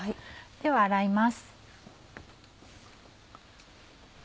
では洗います。